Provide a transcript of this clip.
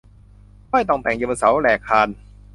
ห้อยต่องแต่งอยู่บนเสาแหรกคาน